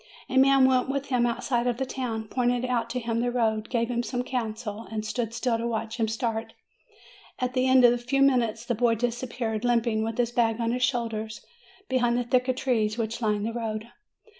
A man went with him outside of the town, pointed out to him the road, gave him some counsel, and stood still to watch him start. At the end of a few minutes, the lad dis appeared, limping, with his bag on his shoulders, be hind the thick of trees which lined the road.